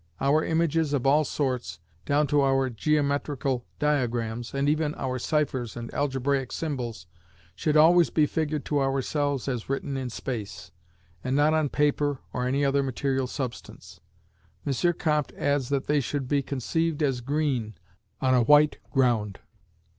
Our images of all sorts, down to our geometrical diagrams, and even our ciphers and algebraic symbols, should always be figured to ourselves as written in space, and not on paper or any other material substance. M. Comte adds that they should be conceived as green on a white ground.